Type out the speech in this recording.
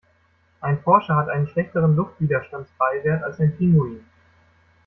Ein Porsche hat einen schlechteren Luftwiderstandsbeiwert als ein Pinguin.